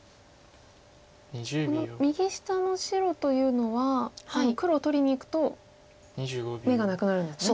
この右下の白というのは黒を取りにいくと眼がなくなるんですね。